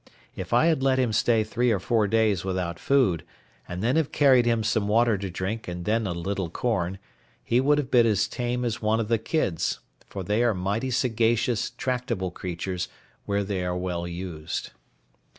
If I had let him stay three or four days without food, and then have carried him some water to drink and then a little corn, he would have been as tame as one of the kids; for they are mighty sagacious, tractable creatures, where they are well used.